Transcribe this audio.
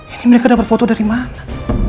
ini mereka dapat foto dari mana